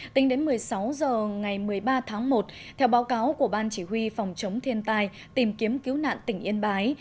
tính đến một mươi sáu h ngày một mươi ba tháng một theo báo cáo của ban chỉ huy phòng chống thiên tai tìm kiếm cứu nạn tỉnh yên bái